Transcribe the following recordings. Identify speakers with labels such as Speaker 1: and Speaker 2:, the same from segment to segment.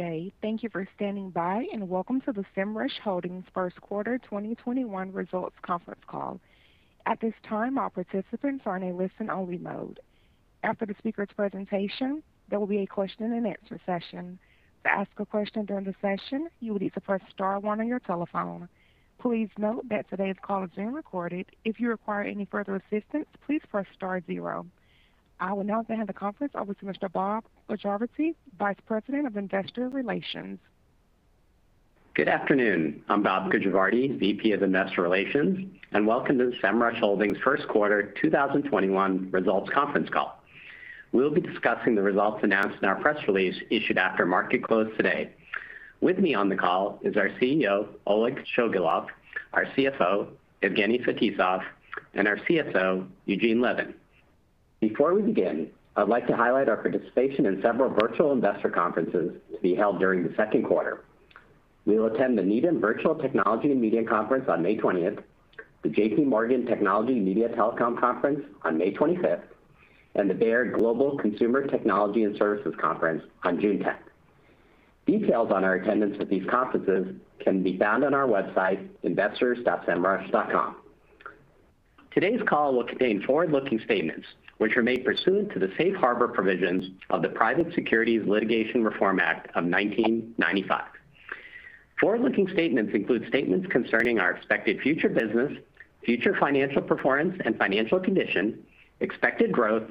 Speaker 1: Day. Thank you for standing by, and welcome to the Semrush Holdings First Quarter 2021 Results Conference Call. I would now like to hand the conference over to Mr. Bob Gujavarty, Vice President of Investor Relations.
Speaker 2: Good afternoon. I'm Bob Gujavarty, VP of Investor Relations. Welcome to the Semrush Holdings First Quarter 2021 Results Conference Call. We'll be discussing the results announced in our press release issued after market close today. With me on the call is our CEO, Oleg Shchegolev, our CFO, Evgeny Fetisov, and our CSO, Eugene Levin. Before we begin, I'd like to highlight our participation in several virtual investor conferences to be held during the second quarter. We will attend the Needham Virtual Technology & Media Conference on May 20th, the JPMorgan Technology, Media, Telecom Conference on May 25th, and the Baird Global Consumer Technology and Services Conference on June 10th. Details on our attendance at these conferences can be found on our website, investors.semrush.com. Today's call will contain forward-looking statements, which are made pursuant to the Safe Harbor provisions of the Private Securities Litigation Reform Act of 1995. Forward-looking statements include statements concerning our expected future business, future financial performance and financial condition, expected growth,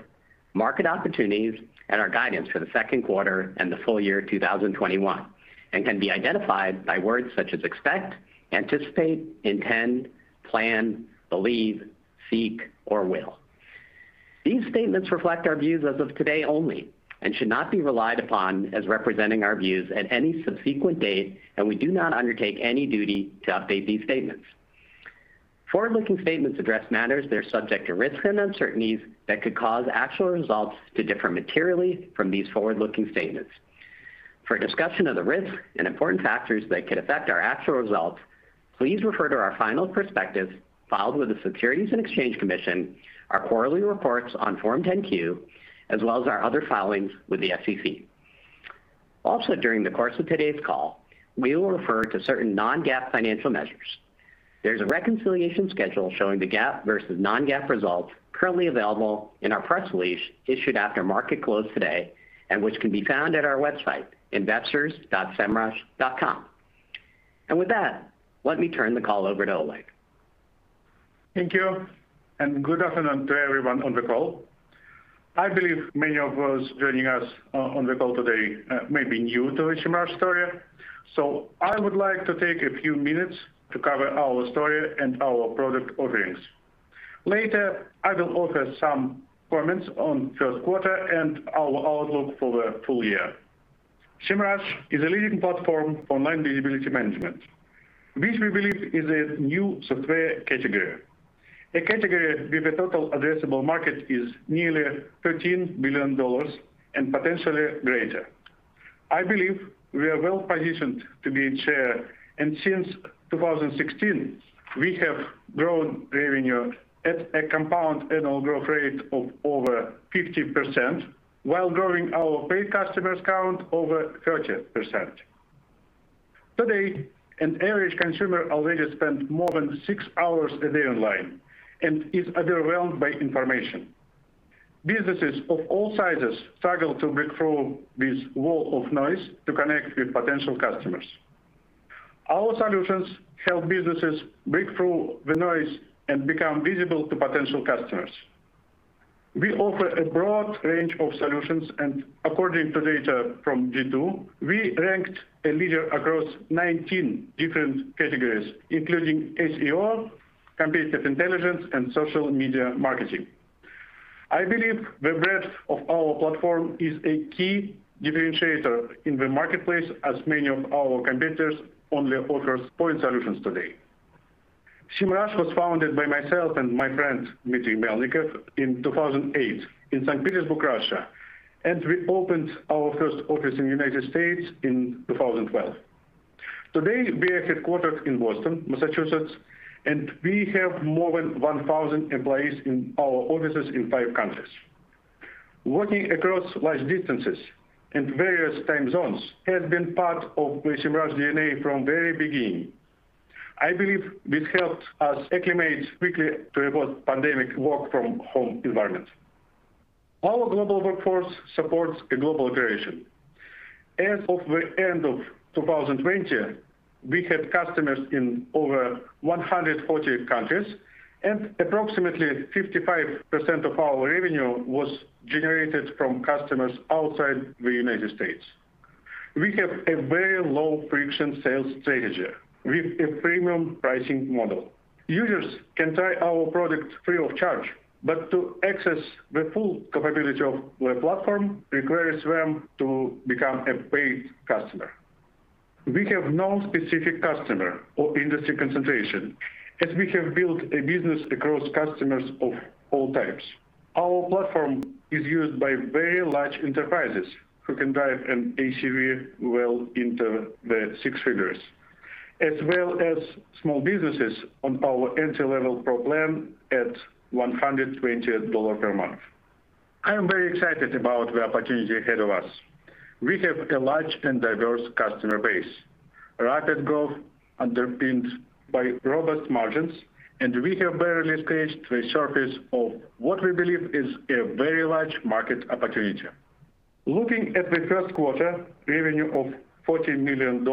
Speaker 2: market opportunities, and our guidance for the second quarter and the full year 2021, and can be identified by words such as "expect," "anticipate," "intend," "plan," "believe," "seek," or "will." These statements reflect our views as of today only and should not be relied upon as representing our views at any subsequent date, and we do not undertake any duty to update these statements. Forward-looking statements address matters that are subject to risks and uncertainties that could cause actual results to differ materially from these forward-looking statements. For a discussion of the risks and important factors that could affect our actual results, please refer to our final prospectus filed with the Securities and Exchange Commission, our quarterly reports on Form 10-Q, as well as our other filings with the SEC. Also, during the course of today's call, we will refer to certain non-GAAP financial measures. There's a reconciliation schedule showing the GAAP versus non-GAAP results currently available in our press release issued after market close today and which can be found at our website, investors.semrush.com. With that, let me turn the call over to Oleg.
Speaker 3: Thank you, and good afternoon to everyone on the call. I believe many of us joining us on the call today may be new to the Semrush story. I would like to take a few minutes to cover our story and our product offerings. Later, I will offer some comments on first quarter and our outlook for the full year. Semrush is a leading platform for online visibility management, which we believe is a new software category, a category with a total addressable market is nearly $13 billion and potentially greater. I believe we are well-positioned to be in charge, and since 2016, we have grown revenue at a compound annual growth rate of over 50% while growing our paid customers count over 30%. Today, an average consumer already spends more than six hours a day online and is overwhelmed by information. Businesses of all sizes struggle to break through this wall of noise to connect with potential customers. Our solutions help businesses break through the noise and become visible to potential customers. We offer a broad range of solutions, and according to data from G2, we ranked a leader across 19 different categories, including SEO, Competitive Intelligence, and social media marketing. I believe the breadth of our platform is a key differentiator in the marketplace, as many of our competitors only offer point solutions today. Semrush was founded by myself and my friend, Dmitry Melnikov, in 2008 in St. Petersburg, Russia, and we opened our first office in the United States in 2012. Today, we are headquartered in Boston, Massachusetts, and we have more than 1,000 employees in our offices in five countries. Working across large distances and various time zones has been part of the Semrush DNA from the very beginning. I believe this helped us acclimate quickly to a post-pandemic work-from-home environment. Our global workforce supports a global operation. As of the end of 2020, we had customers in over 140 countries, and approximately 55% of our revenue was generated from customers outside the United States. We have a very low friction sales strategy with a freemium pricing model. Users can try our product free of charge, but to access the full capability of the platform requires them to become a paid customer. We have no specific customer or industry concentration, as we have built a business across customers of all types. Our platform is used by very large enterprises who can drive an ACV well into the six figures. As well as small businesses on our entry-level Pro plan at $120 per month. I am very excited about the opportunity ahead of us. We have a large and diverse customer base, rapid growth underpinned by robust margins, and we have barely scratched the surface of what we believe is a very large market opportunity. Looking at the first quarter, revenue of $40 million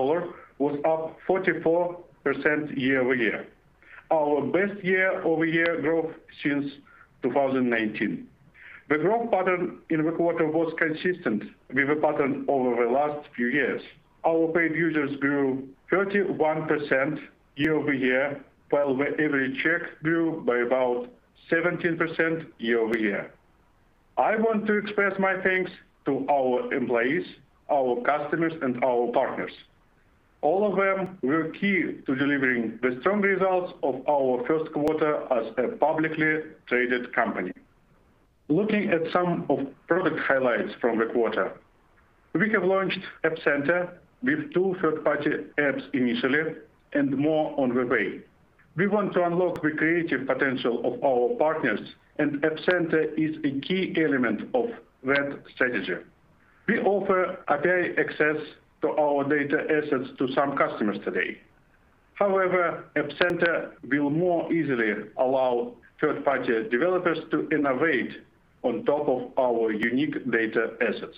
Speaker 3: was up 44% year-over-year, our best year-over-year growth since 2019. The growth pattern in the quarter was consistent with the pattern over the last few years. Our paid users grew 31% year-over-year, while the average check grew by about 17% year-over-year. I want to express my thanks to our employees, our customers, and our partners. All of them were key to delivering the strong results of our first quarter as a publicly traded company. Looking at some of product highlights from the quarter. We have launched App Center with two third-party apps initially and more on the way. We want to unlock the creative potential of our partners, and App Center is a key element of that strategy. We offer API access to our data assets to some customers today. However, App Center will more easily allow third-party developers to innovate on top of our unique data assets.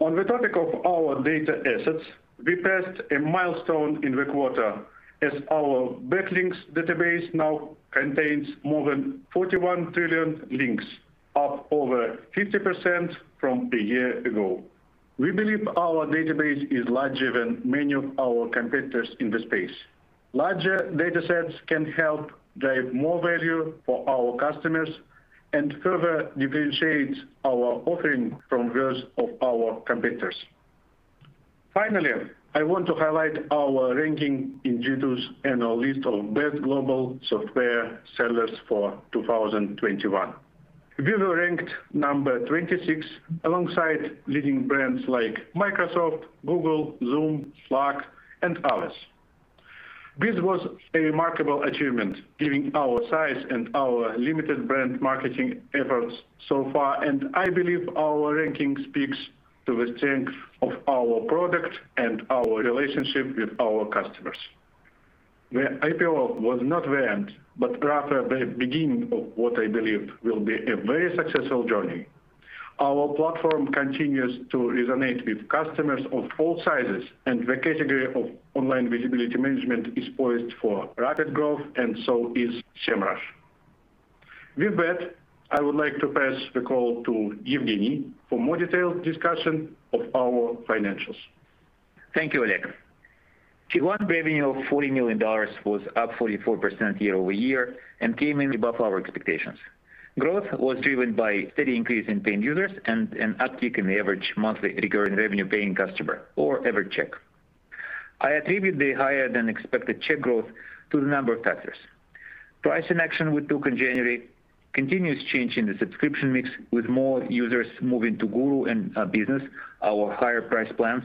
Speaker 3: On the topic of our data assets, we passed a milestone in the quarter as our backlinks database now contains more than 41 trillion links, up over 50% from a year ago. We believe our database is larger than many of our competitors in the space. Larger data sets can help drive more value for our customers and further differentiate our offering from those of our competitors. Finally, I want to highlight our ranking in G2's annual list of Best Global Software Sellers for 2021. We were ranked number 26 alongside leading brands like Microsoft, Google, Zoom, Slack, and others. This was a remarkable achievement given our size and our limited brand marketing efforts so far, and I believe our ranking speaks to the strength of our product and our relationship with our customers. The IPO was not the end, but rather the beginning of what I believe will be a very successful journey. Our platform continues to resonate with customers of all sizes, and the category of online visibility management is poised for rapid growth, and so is Semrush. With that, I would like to pass the call to Evgeny for more detailed discussion of our financials.
Speaker 4: Thank you, Oleg. Q1 revenue of $40 million was up 44% year-over-year and came in above our expectations. Growth was driven by steady increase in paying users and an uptick in the average monthly recurring revenue per paying customer or average check. I attribute the higher-than-expected check growth to a number of factors. Pricing action we took in January, continuous change in the subscription mix with more users moving to Guru and Business, our higher-priced plans,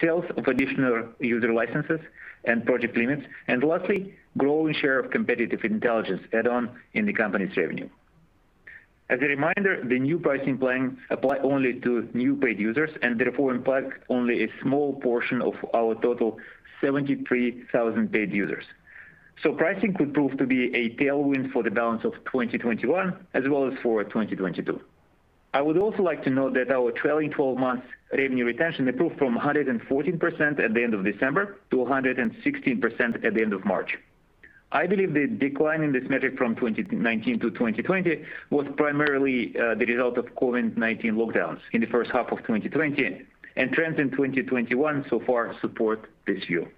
Speaker 4: sales of additional user licenses and project limits, and lastly, growing share of competitive intelligence add-on in the company's revenue. As a reminder, the new pricing plans apply only to new paid users and therefore impact only a small portion of our total 73,000 paid users. Pricing could prove to be a tailwind for the balance of 2021 as well as for 2022. I would also like to note that our trailing 12 months revenue retention improved from 114% at the end of December to 116% at the end of March. I believe the decline in this metric from 2019 to 2020 was primarily the result of COVID-19 lockdowns in the first half of 2020, and trends in 2021 so far support this view.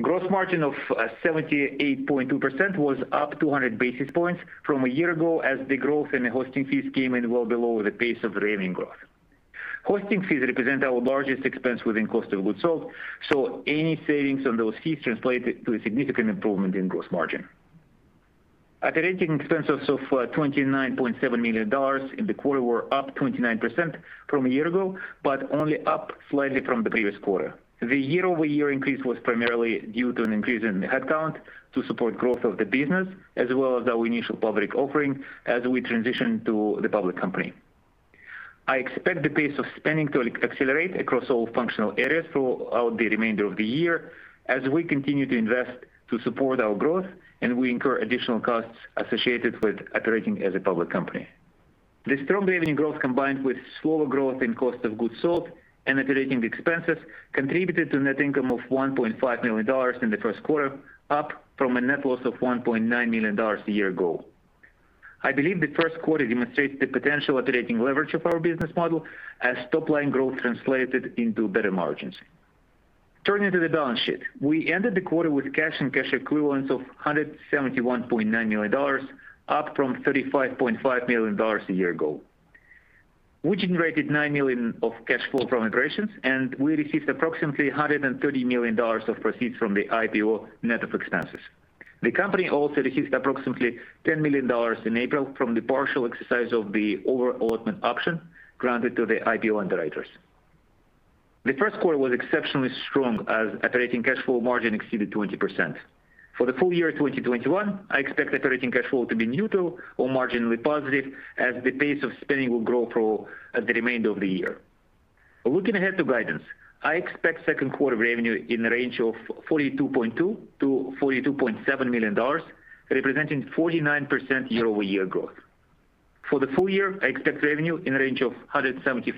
Speaker 4: Gross margin of 78.2% was up 200 basis points from a year ago as the growth in hosting fees came in well below the pace of revenue growth. Hosting fees represent our largest expense within cost of goods sold, so any savings on those fees translated to a significant improvement in gross margin. Operating expenses of $29.7 million in the quarter were up 29% from a year ago, but only up slightly from the previous quarter. The year-over-year increase was primarily due to an increase in headcount to support growth of the business, as well as our initial public offering as we transition to the public company. I expect the pace of spending to accelerate across all functional areas throughout the remainder of the year as we continue to invest to support our growth and we incur additional costs associated with operating as a public company. The strong revenue growth, combined with slower growth in cost of goods sold and operating expenses, contributed to net income of $1.5 million in the first quarter, up from a net loss of $1.9 million a year ago. I believe the first quarter demonstrates the potential operating leverage of our business model as top-line growth translated into better margins. Turning to the balance sheet. We ended the quarter with cash and cash equivalents of $171.9 million, up from $35.5 million a year ago. We generated $9 million of cash flow from operations, and we received approximately $130 million of proceeds from the IPO net of expenses. The company also received approximately $10 million in April from the partial exercise of the over-allotment option granted to the IPO underwriters. The first quarter was exceptionally strong as operating cash flow margin exceeded 20%. For the full year 2021, I expect operating cash flow to be neutral or marginally positive as the pace of spending will grow for the remainder of the year. Looking ahead to guidance, I expect second quarter revenue in the range of $42.2 million-$42.7 million, representing 49% year-over-year growth. For the full year, I expect revenue in the range of $175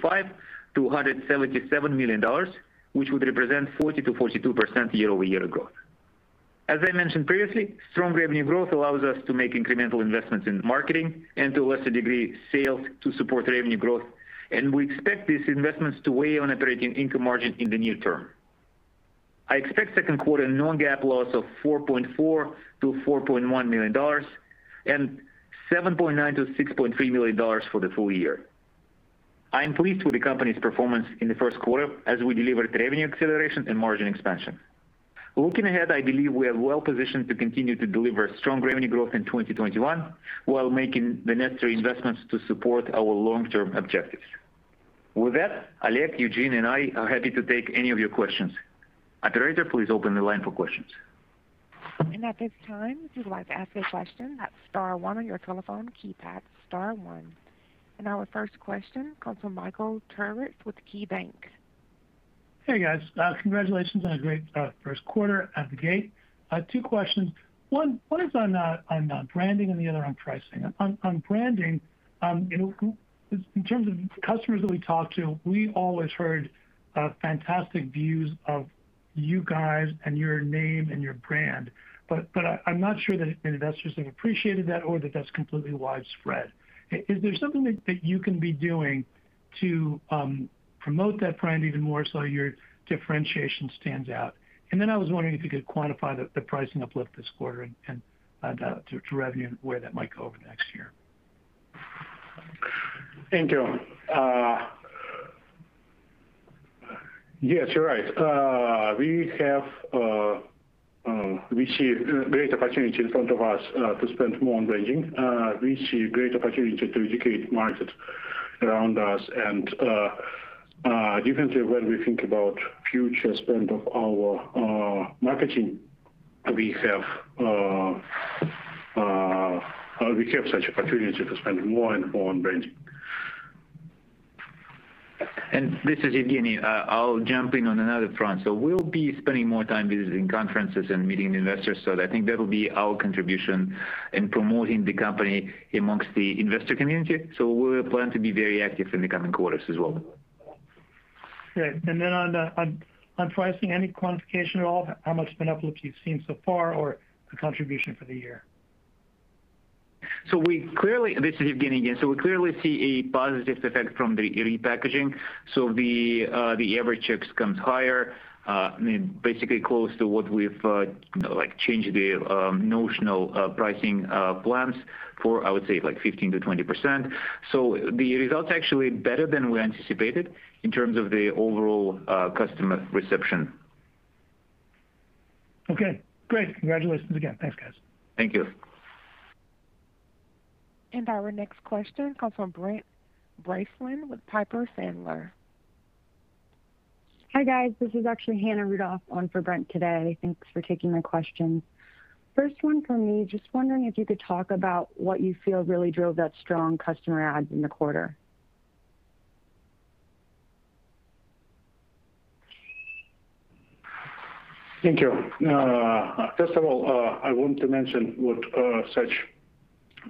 Speaker 4: million-$177 million, which would represent 40%-42% year-over-year growth. As I mentioned previously, strong revenue growth allows us to make incremental investments in marketing and, to a lesser degree, sales to support revenue growth, and we expect these investments to weigh on operating income margin in the near term. I expect second quarter non-GAAP loss of $4.4 million to $4.1 million, and $7.9 million to $6.3 million for the full year. I am pleased with the company's performance in the first quarter as we delivered revenue acceleration and margin expansion. Looking ahead, I believe we are well-positioned to continue to deliver strong revenue growth in 2021 while making the necessary investments to support our long-term objectives. With that, Oleg, Eugene, and I are happy to take any of your questions. Operator, please open the line for questions.
Speaker 1: At this time, if you'd like to ask a question, hit star one on your telephone keypad. Star one. Our first question comes from Michael Turits with KeyBanc.
Speaker 5: Hey, guys. Congratulations on a great first quarter out of the gate. Two questions. One is on branding and the other on pricing. On branding, in terms of customers that we talk to, we always heard fantastic views of you guys and your name and your brand. I'm not sure that investors have appreciated that or that that's completely widespread. Is there something that you can be doing to promote that brand even more so your differentiation stands out? I was wondering if you could quantify the pricing uplift this quarter and to revenue and where that might go over the next year.
Speaker 3: Thank you. Yes, you're right. We see a great opportunity in front of us to spend more on branding. We see a great opportunity to educate markets around us. Definitely when we think about future spend of our marketing, we have such an opportunity to spend more and more on branding.
Speaker 4: This is Evgeny. I'll jump in on another front. We'll be spending more time visiting conferences and meeting investors, so I think that'll be our contribution in promoting the company amongst the investor community. We plan to be very active in the coming quarters as well.
Speaker 5: Great. On pricing, any quantification at all of how much of an uplift you've seen so far or the contribution for the year?
Speaker 4: This is Evgeny again. We clearly see a positive effect from the repackaging. The average checks comes higher, basically close to what we've changed the notional pricing plans for, I would say, 15%-20%. The results are actually better than we anticipated in terms of the overall customer reception.
Speaker 5: Okay, great. Congratulations again. Thanks, guys.
Speaker 4: Thank you.
Speaker 1: Our next question comes from Brent Bracelin with Piper Sandler.
Speaker 6: Hi, guys. This is actually Hannah Rudoff on for Brent today. Thanks for taking my questions. First one from me, just wondering if you could talk about what you feel really drove that strong customer adds in the quarter.
Speaker 3: Thank you. First of all, I want to mention what such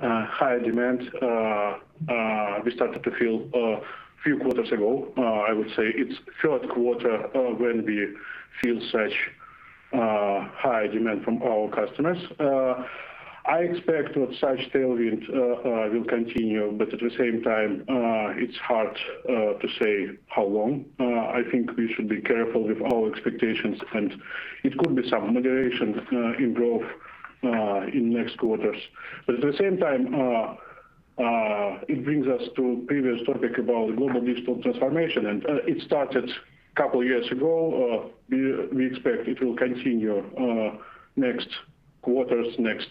Speaker 3: high demand we started to feel a few quarters ago. I would say it's the third quarter when we feel such high demand from our customers. I expect that such tailwinds will continue, but at the same time, it's hard to say how long. I think we should be careful with our expectations, and it could be some moderation in growth in next quarters. At the same time, it brings us to previous topic about global digital transformation, and it started a couple of years ago. We expect it will continue next quarters, next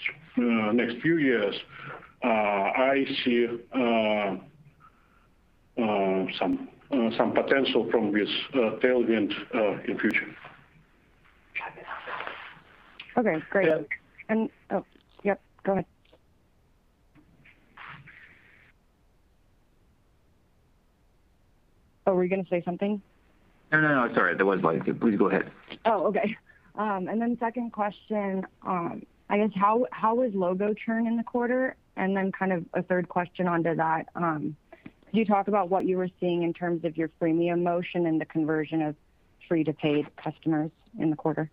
Speaker 3: few years. I see some potential from this tailwind in future.
Speaker 6: Okay, great. And- Yep, go ahead. Were you going to say something?
Speaker 3: No, sorry. I wasn't going to. Please go ahead.
Speaker 6: Oh, okay. Second question, I guess, how was logo churn in the quarter? Kind of a third question onto that, could you talk about what you were seeing in terms of your freemium motion and the conversion of free to paid customers in the quarter?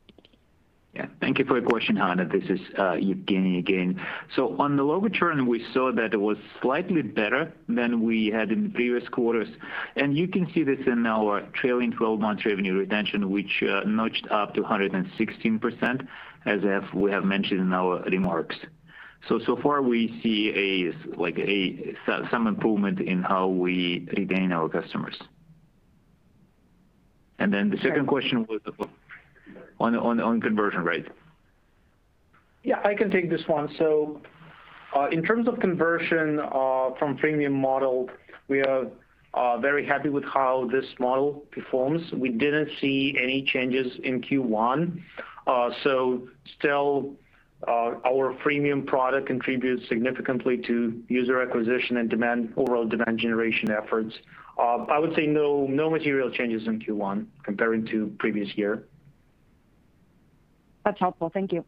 Speaker 4: Yeah. Thank you for your question, Hannah. This is Evgeny again. On the logo churn, we saw that it was slightly better than we had in previous quarters, and you can see this in our trailing 12-month revenue retention, which nudged up to 116%, as we have mentioned in our remarks. So far we see some improvement in how we retain our customers. The second question was on conversion rate.
Speaker 7: Yeah, I can take this one. In terms of conversion from freemium model, we are very happy with how this model performs. We didn't see any changes in Q1. Still, our freemium product contributes significantly to user acquisition and overall demand generation efforts. I would say no material changes in Q1 comparing to previous year.
Speaker 6: That's helpful. Thank you.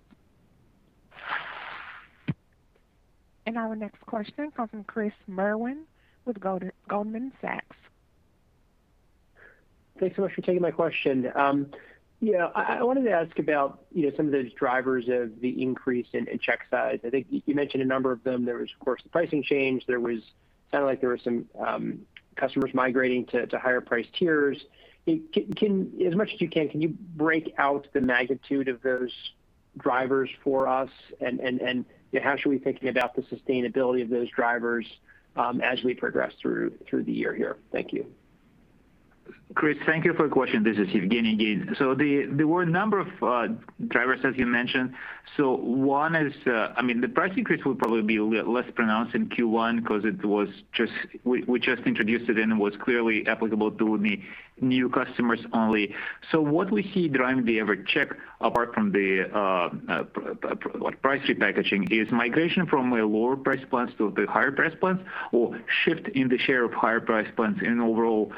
Speaker 1: Now our next question comes from Chris Merwin with Goldman Sachs.
Speaker 8: Thanks so much for taking my question. I wanted to ask about some of those drivers of the increase in check size. I think you mentioned a number of them. There was, of course, the pricing change. There sounded like there were some customers migrating to higher price tiers. As much as you can you break out the magnitude of those drivers for us and how should we be thinking about the sustainability of those drivers as we progress through the year here? Thank you.
Speaker 4: Chris, thank you for your question. This is Evgeny again. There were a number of drivers as you mentioned. One is, the price increase will probably be less pronounced in Q1 because we just introduced it, and it was clearly applicable to the new customers only. What we see driving the average check, apart from the price repackaging, is migration from lower price plans to the higher price plans, or shift in the share of higher price plans in overall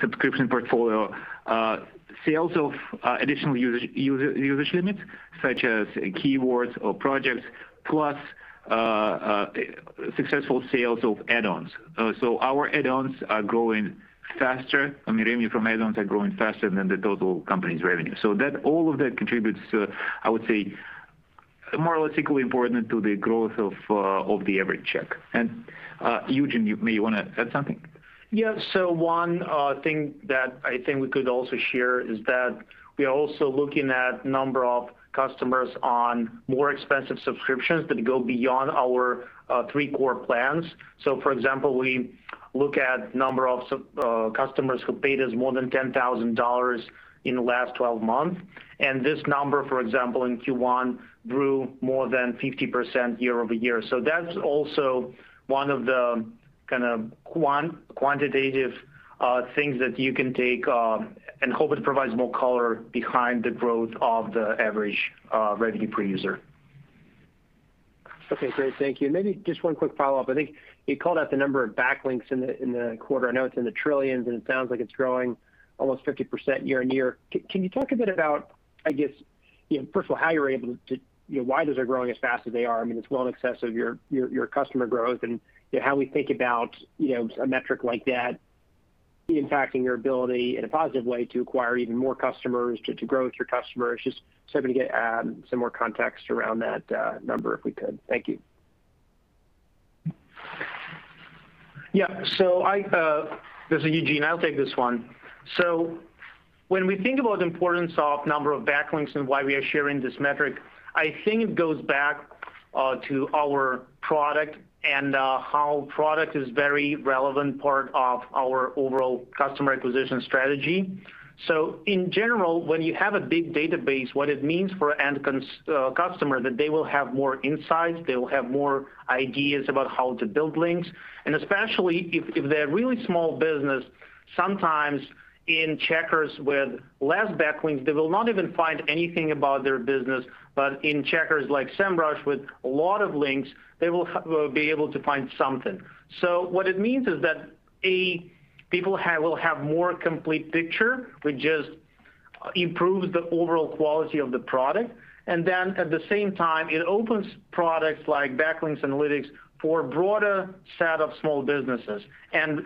Speaker 4: subscription portfolio, sales of additional usage limits, such as keywords or projects, plus successful sales of add-ons. Our add-ons are growing faster, I mean, revenue from add-ons are growing faster than the total company's revenue. That all of that contributes to, I would say, more or less equally important to the growth of the average check. Eugene, you may want to add something?
Speaker 7: One thing that I think we could also share is that we are also looking at number of customers on more expensive subscriptions that go beyond our three core plans. For example, we look at number of customers who paid us more than $10,000 in the last 12 months. This number, for example, in Q1, grew more than 50% year-over-year. That's also one of the kind of quantitative things that you can take and hope it provides more color behind the growth of the average revenue per user.
Speaker 8: Okay, great. Thank you. Maybe just one quick follow-up. I think you called out the number of backlinks in the quarter. I know it's in the trillions, and it sounds like it's growing almost 50% year-on-year. Can you talk a bit about, I guess, first of all, why those are growing as fast as they are? I mean, it's well in excess of your customer growth and how we think about a metric like that impacting your ability in a positive way to acquire even more customers, to grow with your customers. Just simply to get some more context around that number, if we could. Thank you.
Speaker 7: Yeah. This is Eugene, I'll take this one. When we think about importance of number of backlinks and why we are sharing this metric, I think it goes back to our product and how product is very relevant part of our overall customer acquisition strategy. In general, when you have a big database, what it means for end customer that they will have more insights, they will have more ideas about how to build links, and especially if they're really small business, sometimes in checkers with less backlinks, they will not even find anything about their business. In checkers like Semrush with a lot of links, they will be able to find something. What it means is that, A, people will have more complete picture, which just improves the overall quality of the product. At the same time, it opens products like Backlink Analytics for broader set of small businesses, and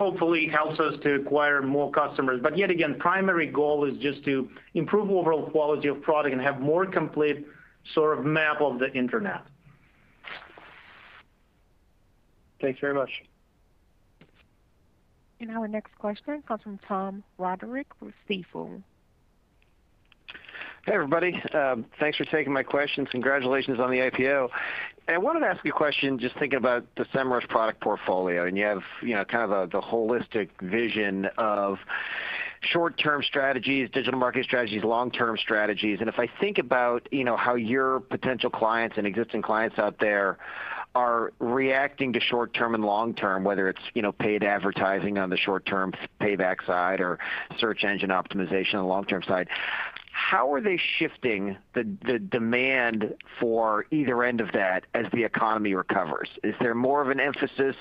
Speaker 7: hopefully helps us to acquire more customers. Yet again, primary goal is just to improve overall quality of product and have more complete sort of map of the internet.
Speaker 8: Thanks very much.
Speaker 1: Our next question comes from Tom Roderick with Stifel.
Speaker 9: Hey, everybody. Thanks for taking my question. Congratulations on the IPO. I wanted to ask you a question, just thinking about the Semrush product portfolio. You have kind of the holistic vision of short-term strategies, digital marketing strategies, long-term strategies. If I think about how your potential clients and existing clients out there are reacting to short-term and long-term, whether it's paid advertising on the short-term payback side or search engine optimization on the long-term side. How are they shifting the demand for either end of that as the economy recovers? Is there more of an emphasis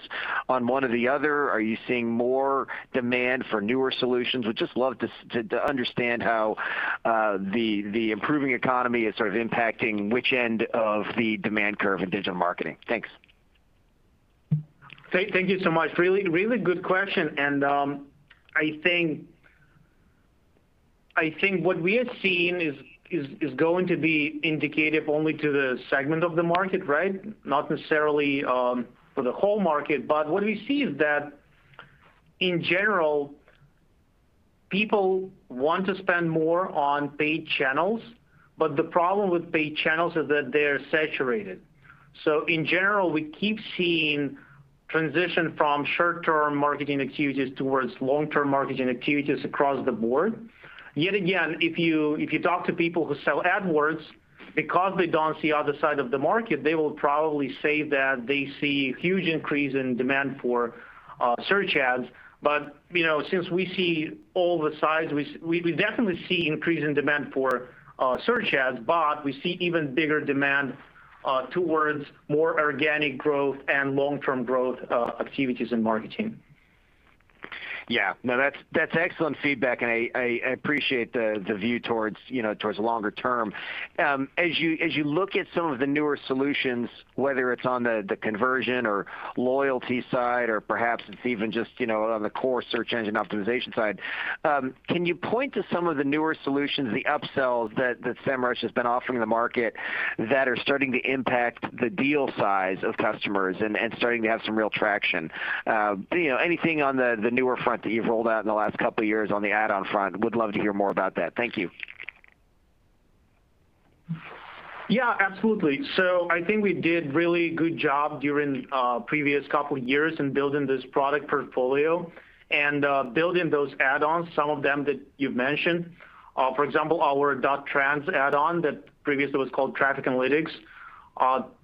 Speaker 9: on one or the other? Are you seeing more demand for newer solutions? Would just love to understand how the improving economy is sort of impacting which end of the demand curve in digital marketing. Thanks.
Speaker 7: Thank you so much. Really good question. I think what we are seeing is going to be indicative only to the segment of the market, right? Not necessarily for the whole market. What we see is that in general, people want to spend more on paid channels, but the problem with paid channels is that they're saturated. In general, we keep seeing transition from short-term marketing activities towards long-term marketing activities across the board. Yet again, if you talk to people who sell AdWords, because they don't see other side of the market, they will probably say that they see huge increase in demand for search ads. Since we see all the sides, we definitely see increase in demand for search ads, but we see even bigger demand towards more organic growth and long-term growth activities in marketing.
Speaker 9: Yeah. No, that's excellent feedback, and I appreciate the view towards longer term. As you look at some of the newer solutions, whether it's on the conversion or loyalty side, or perhaps it's even just on the core search engine optimization side, can you point to some of the newer solutions, the upsells that Semrush has been offering the market that are starting to impact the deal size of customers and starting to have some real traction? Anything on the newer front that you've rolled out in the last couple of years on the add-on front, would love to hear more about that? Thank you.
Speaker 7: Yeah, absolutely. I think we did really good job during previous couple of years in building this product portfolio and building those add-ons, some of them that you've mentioned. For example, our .Trends add-on that previously was called Traffic Analytics,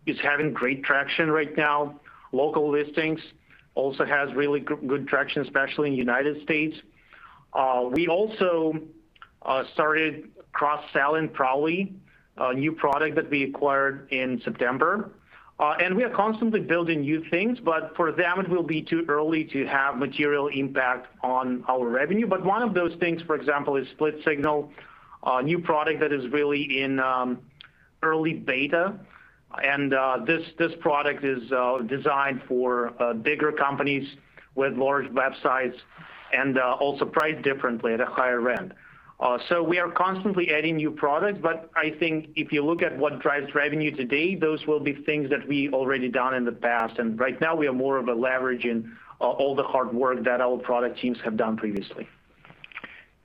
Speaker 7: is having great traction right now. Listing Management also has really good traction, especially in the United States. We also started cross-selling Prowly, a new product that we acquired in September. We are constantly building new things, but for them, it will be too early to have material impact on our revenue. One of those things, for example, is SplitSignal, a new product that is really in early beta. This product is designed for bigger companies with large websites and also priced differently at a higher end. We are constantly adding new products, but I think if you look at what drives revenue today, those will be things that we already done in the past. Right now we are more of a leverage in all the hard work that our product teams have done previously.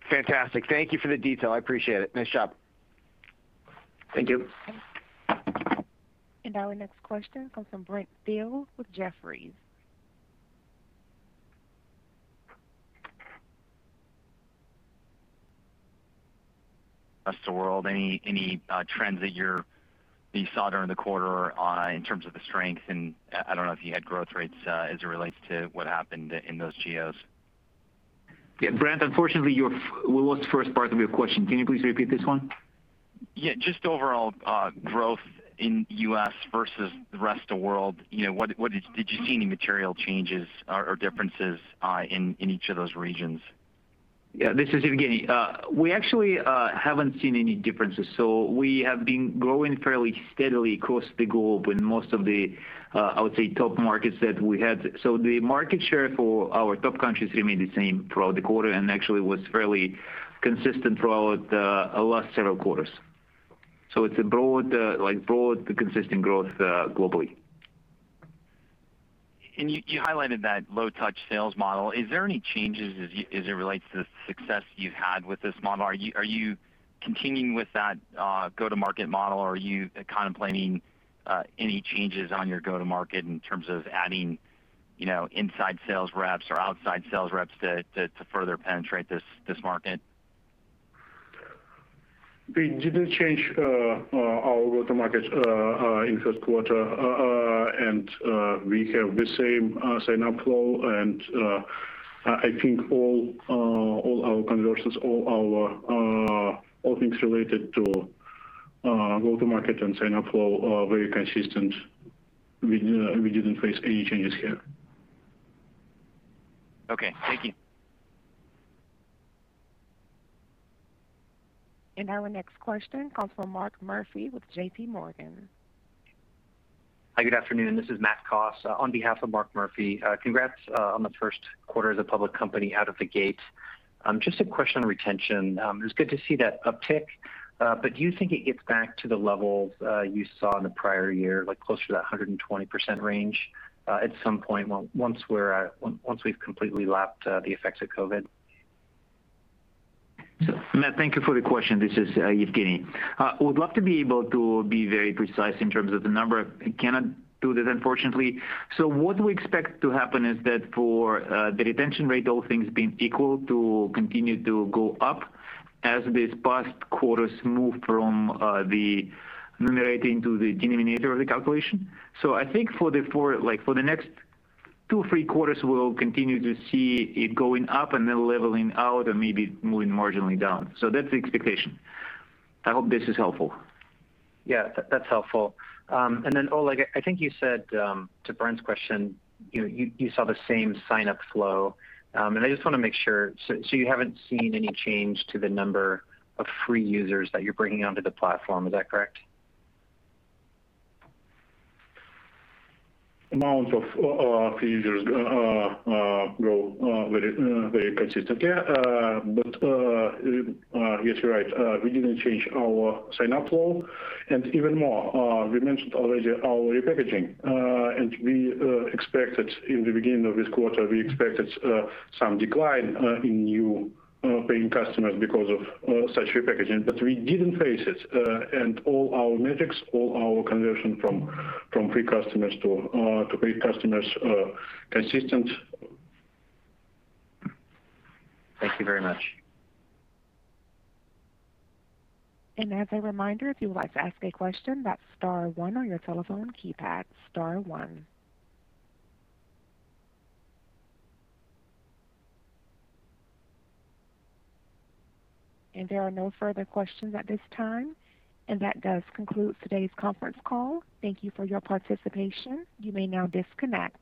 Speaker 9: Fantastic. Thank you for the detail. I appreciate it. Nice job.
Speaker 7: Thank you.
Speaker 1: Now our next question comes from Brent Thill with Jefferies.
Speaker 10: Rest of world, any trends that you saw during the quarter in terms of the strength? I don't know if you had growth rates as it relates to what happened in those geos.
Speaker 4: Yeah, Brent, unfortunately, we lost first part of your question. Can you please repeat this one?
Speaker 10: Yeah, just overall growth in U.S. versus the rest of world. Did you see any material changes or differences in each of those regions?
Speaker 4: Yeah, this is Evgeny. We actually haven't seen any differences. We have been growing fairly steadily across the globe in most of the, I would say, top markets that we had. The market share for our top countries remained the same throughout the quarter, and actually was fairly consistent throughout the last several quarters. It's a broad consistent growth globally.
Speaker 10: You highlighted that low-touch sales model. Is there any changes as it relates to the success you've had with this model? Are you continuing with that go-to-market model, or are you contemplating any changes on your go-to-market in terms of adding inside sales reps or outside sales reps to further penetrate this market?
Speaker 3: We didn't change our go-to-market in first quarter. We have the same sign-up flow. I think all our conversions, all things related to go-to-market and sign-up flow are very consistent. We didn't face any changes here.
Speaker 10: Okay. Thank you.
Speaker 1: Now our next question comes from Mark Murphy with JPMorgan.
Speaker 11: Hi, good afternoon. This is Matt Koss on behalf of Mark Murphy. Congrats on the first quarter as a public company out of the gate. Just a question on retention. It was good to see that uptick. Do you think it gets back to the levels you saw in the prior year, like closer to that 120% range at some point once we've completely lapped the effects of COVID?
Speaker 4: Matt, thank you for the question. This is Evgeny. Would love to be able to be very precise in terms of the number. I cannot do this, unfortunately. What we expect to happen is that for the retention rate, all things being equal, to continue to go up as these past quarters move from the numerator into the denominator of the calculation. I think for the next two, three quarters, we'll continue to see it going up and then leveling out and maybe moving marginally down. That's the expectation. I hope this is helpful.
Speaker 11: Yeah, that's helpful. Oleg, I think you said to Brent's question, you saw the same sign-up flow. I just want to make sure, so you haven't seen any change to the number of free users that you're bringing onto the platform. Is that correct?
Speaker 3: Amount of free users grow very consistent, yeah. Yes, you're right. We didn't change our sign-up flow. Even more, we mentioned already our repackaging. In the beginning of this quarter, we expected some decline in new paying customers because of such repackaging, but we didn't face it. All our metrics, all our conversion from free customers to paid customers are consistent.
Speaker 11: Thank you very much.
Speaker 1: As a reminder, if you would like to ask a question, that's star one on your telephone keypad. Star one. There are no further questions at this time. That does conclude today's conference call. Thank you for your participation. You may now disconnect.